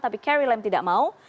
tapi carry lam tidak mau